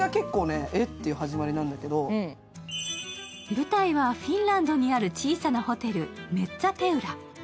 舞台はフィンランドにある小さなホテルメッツァペウラ。